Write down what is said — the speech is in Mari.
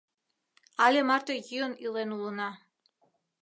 Але марте йӱын илен улына.